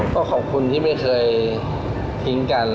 ก็ขอบคุณที่ไม่เคยทิ้งกัน